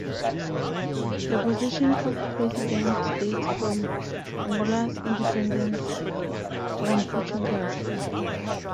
The position of President dates from Angola's independence from Portugal.